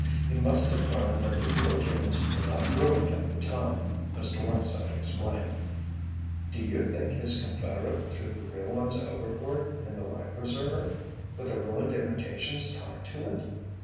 He must have learned that the real gems were not ruined at all," Mr. Whiteside explained. "Do you think his confederate threw the real ones overboard, in the life preserver, with the ruined imitations tied to it?"